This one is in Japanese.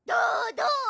どう？